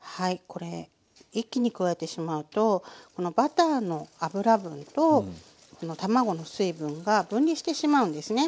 これ一気に加えてしまうとこのバターの脂分と卵の水分が分離してしまうんですね。